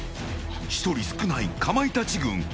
１人少ない、かまいたち軍。